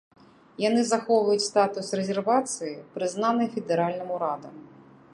Яны захоўваюць статус рэзервацыі, прызнанай федэральным урадам.